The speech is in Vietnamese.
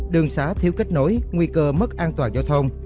đường xá thiếu kết nối nguy cơ mất an toàn giao thông